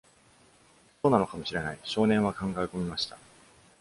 そうなのかもしれない、少年は考え込みました。